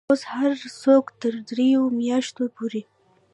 پوځ هر څوک تر دریو میاشتو پورې